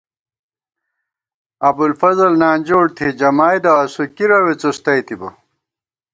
ابُوالفضل نانجوڑ تھی جمائیدہ اسُو کی رَوے څُوستَئیبہ